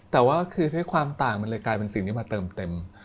แต่ว่าคือด้วยความต่างมันเลยกลายเป็นสิ่งที่มาเติมเต็ม